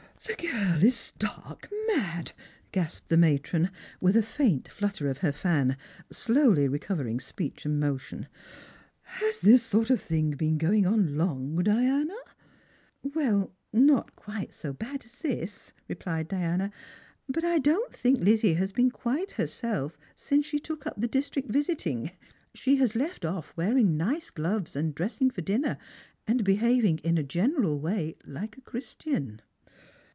" The girl is stark mad !" gasped the matron, with a famt flutter of her fan, slowly recovering speech and motion. " Has this sort of thing been going on long, Diana? " "Well, not quite so bad as this," rephed Diana; "but I don't think Lizzie has been Quite herself since she took ud the Strangers and Pilgrims. 75 rlistrict visiting. She has left off wearing nice gloves, and •liessing for dinner, and behaving in a general way like a CJiristian."